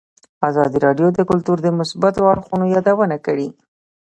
ازادي راډیو د کلتور د مثبتو اړخونو یادونه کړې.